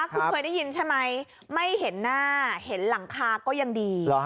คุณเคยได้ยินใช่ไหมไม่เห็นหน้าเห็นหลังคาก็ยังดี